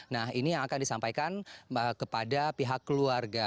nah ini yang akan disampaikan kepada pihak keluarga